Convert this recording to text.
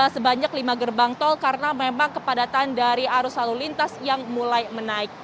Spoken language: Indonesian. sebanyak lima gerbang tol karena memang kepadatan dari arus lalu lintas yang mulai menaik